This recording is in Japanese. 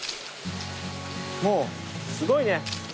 もうすごいね。